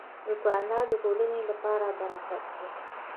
دوکاندار د ټولنې لپاره برکت دی.